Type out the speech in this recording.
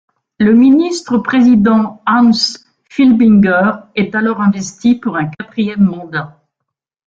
Le ministre-président Hans Filbinger est alors investi pour un quatrième mandat.